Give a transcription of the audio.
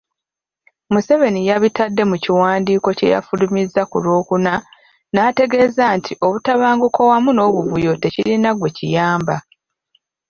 Museveni yabitadde mukiwandiiko kye yafulumizza ku Lwokuna n'ategeeza nti obutabanguko wamu n'obuvuyo tekirina gwe kiyamba.